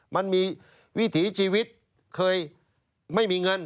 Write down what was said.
มันมีวิถีชีวิตเคยไม่มีเงิน